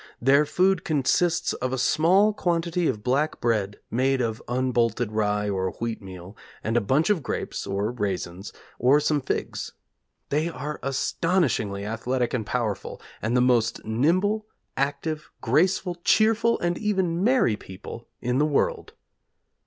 Their food consists of a small quantity of black bread, made of unbolted rye or wheatmeal, and a bunch of grapes, or raisins, or some figs. They are astonishingly athletic and powerful; and the most nimble, active, graceful, cheerful, and even merry people in the world.